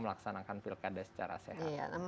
melaksanakan pilkada secara sehat